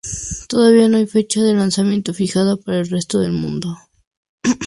Todavía no hay fecha de lanzamiento fijada para el resto del mundo.